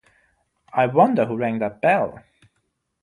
I wonder who rang that bell!